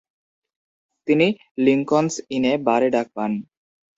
তিনি লিঙ্কন’স ইনে বারে ডাক পান।